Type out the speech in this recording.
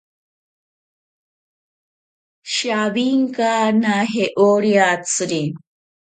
Shawinkanaje oriatsiri.